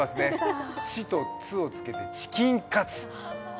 チとツをつけてチキンカツ。